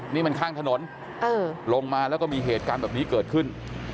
นี่มันข้างถนนลงมาแล้วก็มีเหตุการณ์แบบนี้เกิดขึ้น